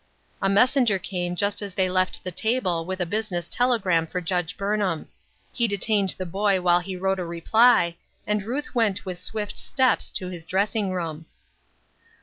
A messenger came just as they left the table with a business telegram for Judge Burnham. He detained the boy while he wrote a reply, and Ruth went with swift steps to his dressing room.